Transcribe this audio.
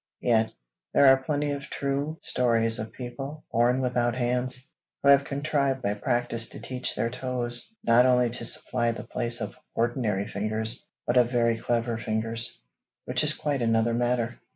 Yet, there are plenty of true stories of people born without hands, who have contrived by practice to teach their toes not only to supply the place of ordinary fingers, but of very clever fingers, which is quite another matter!